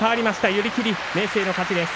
寄り切り、明生の勝ちです。